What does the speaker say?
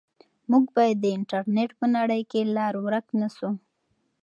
موږ باید د انټرنیټ په نړۍ کې لار ورک نه سو.